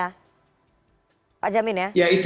bukan pak jamin ya